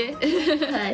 はい。